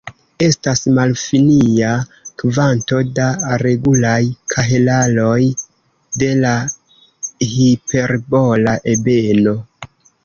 Estas malfinia kvanto da regulaj kahelaroj de la hiperbola ebeno.